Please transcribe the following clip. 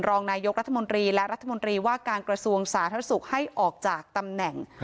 รองนายกรัฐมนตรีและรัฐมนตรีว่าการกระทรวงสาธารณสุขให้ออกจากตำแหน่ง